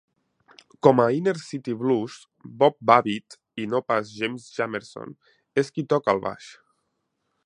Com a "Inner City Blues", Bob Babbitt, i no pas James Jamerson, és qui toca el baix.